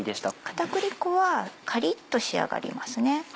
片栗粉はカリっと仕上がりますね。